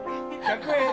１００円？